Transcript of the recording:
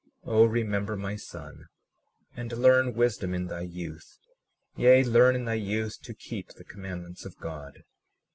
37:35 O, remember, my son, and learn wisdom in thy youth; yea, learn in thy youth to keep the commandments of God.